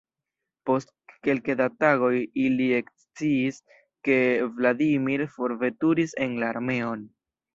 Post kelke da tagoj ili eksciis, ke Vladimir forveturis en la armeon.